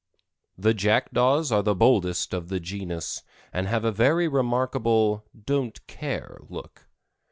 The Jackdaws are the boldest of the genus, and have a very remarkable "don't care" look.